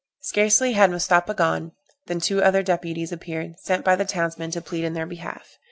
Scarcely had Mustapha gone, than two other deputies appeared, sent by the townsmen to plead in their behalf.